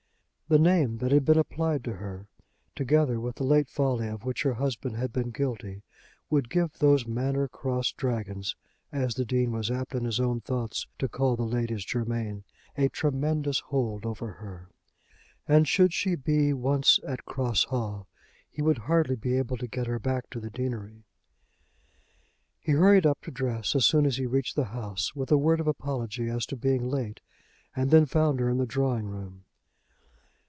The name that had been applied to her, together with the late folly of which her husband had been guilty, would give those Manor Cross dragons, as the Dean was apt in his own thoughts to call the Ladies Germain a tremendous hold over her. And should she be once at Cross Hall he would hardly be able to get her back to the deanery. He hurried up to dress as soon as he reached the house, with a word of apology as to being late, and then found her in the drawing room.